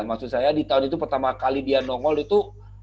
maksud saya di tahun itu pertama kali dia nongol itu